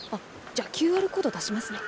じゃあＱＲコード出しますね。